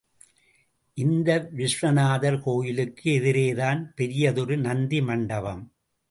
இந்த விஸ்வநாதர் கோயிலுக்கு எதிரேதான் பெரியதொரு நந்தி மண்டபம்.